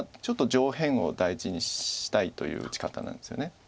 ちょっと上辺を大事にしたいという打ち方なんですよね。